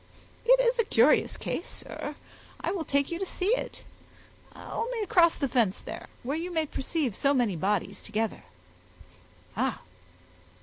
It is a curious case, sir; I will take you to see it—only across the fence there, where you may perceive so many bodies together. Ah!